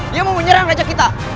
dia mau menyerang gajah kita